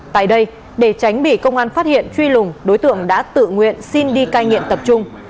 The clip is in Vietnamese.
tại đây để tránh bị công an phát hiện truy lùng đối tượng đã tự nguyện xin đi cai nghiện tập trung